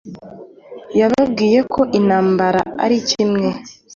yababwiye ko intambara ari kimwe